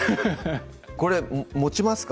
これもちますか？